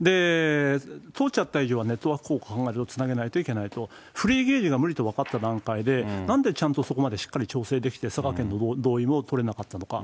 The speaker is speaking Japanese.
通っちゃった以上は、ネットワーク効果考えると、つなげないといけないと、フリーゲージが無理と分かった段階でなんでちゃんとそこまで調整できて、佐賀県の同意を取れなかったのか。